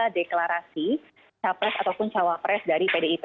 penyelidikan pencapres ataupun cawapres dari pdip